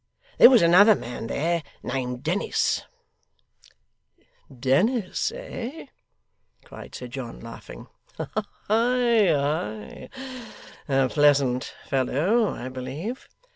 There was another man there, named Dennis ' 'Dennis, eh!' cried Sir John, laughing. 'Ay, ay! a pleasant fellow, I believe?